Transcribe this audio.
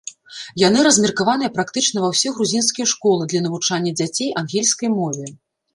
Яны размеркаваныя практычна ва ўсе грузінскія школы для навучання дзяцей ангельскай мове.